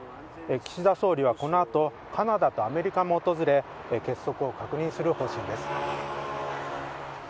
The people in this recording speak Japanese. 岸田総理はこの後カナダとアメリカも訪れ結束を確認する方針です。